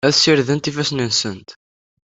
Ad ssirdent ifassen-nsent.